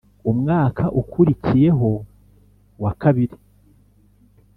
Umwaka ukurikiye ho wa kabiri